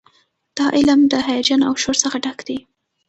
دا علم د هیجان او شور څخه ډک دی.